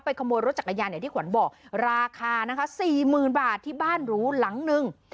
ไปขโมยรถจักรยานเนี่ยที่ขวัญบอกราคานะคะสี่หมื่นบาทที่บ้านรู้หลังหนึ่ง